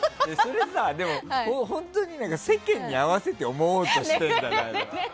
でも本当に世間に合わせて思おうとしてるんじゃないの。